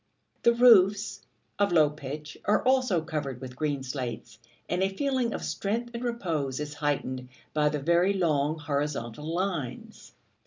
The roofs, of low pitch, are also covered with green slates, and a feeling of strength and repose is heightened by the very long horizontal lines.